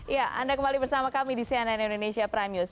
ya anda kembali bersama kami di cnn indonesia prime news